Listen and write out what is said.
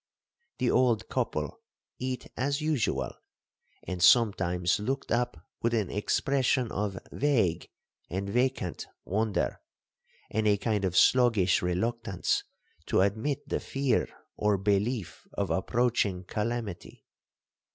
The old couple eat as usual, and sometimes looked up with an expression of vague and vacant wonder, and a kind of sluggish reluctance to admit the fear or belief of approaching calamity.